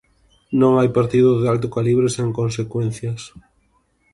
Non hai partido de alto calibre sen consecuencias.